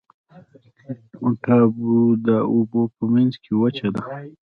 ټاپو د اوبو په منځ کې وچه ده.